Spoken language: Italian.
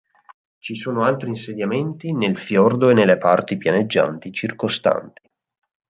Ci sono altri insediamenti nel fiordo e nelle parti pianeggianti circostanti.